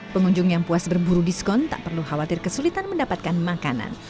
pengunjung yang puas berburu diskon tak perlu khawatir kesulitan mendapatkan makanan